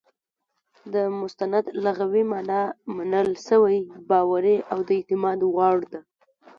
د مستند لغوي مانا منل سوى، باوري، او د اعتبار وړ ده.